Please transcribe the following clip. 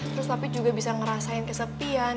terus tapi juga bisa ngerasain kesepian